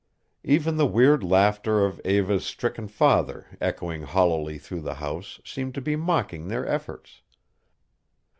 Even the weird laughter of Eva's stricken father, echoing hollowly through the house, seemed to be mocking their efforts.